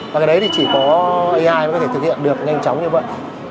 và cái đấy thì chỉ có ai mới có thể thực hiện được nhanh chóng như vậy